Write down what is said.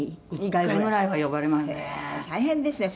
「１回ぐらいは呼ばれますね」